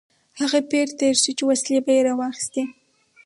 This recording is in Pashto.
هغه پیر تېر شو چې وسلې به یې راواخیستې.